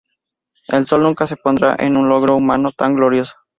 El sol nunca se pondrá en un logro humano tan glorioso".